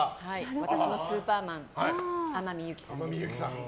私のスーパーマン天海祐希さんです。